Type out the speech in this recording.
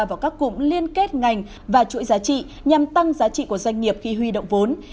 vào các cụm liên kết ngành và chuỗi giá trị nhằm tăng giá trị của doanh nghiệp khi huy động vốn